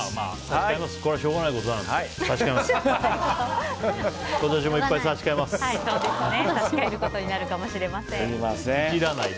これはしょうがないことなんで。